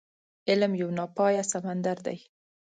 علم يو ناپايه سمندر دی.